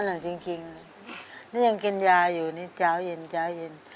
นั่นแหละจริงนี่ยังกินยาอยู่นี่เจ้าเย็น